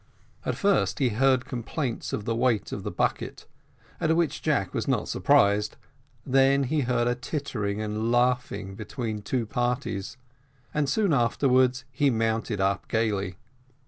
At first he heard complaints of the weight of the bucket, at which Jack was not surprised, then he heard a tittering and laughing between two parties, and soon afterwards he mounted up gaily.